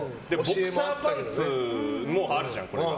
ボクサーパンツもあるじゃん、これが。